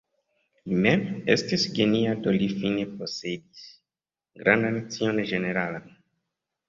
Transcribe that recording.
Li mem estis genia do li fine posedis grandan scion ĝeneralan.